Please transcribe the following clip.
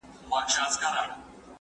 زه بايد لوبه وکړم!